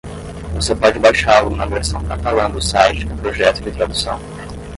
Você pode baixá-lo na versão catalã do site do projeto de tradução.